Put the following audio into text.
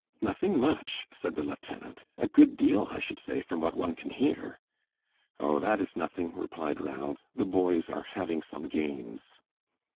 "Nothing much!" said the lieutenant, "a good deal I should say from what one can hear." "Oh, that is nothing," replied Ranald; "the boys are having some games."